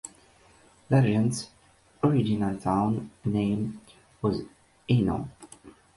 Largent's original town name was Enon.